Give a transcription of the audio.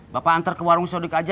bapak antar ke warung sodik aja